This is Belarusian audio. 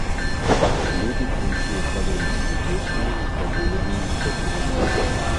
Людзі прыйшлі з маленькімі дзецьмі, з бабулямі і дзядулямі.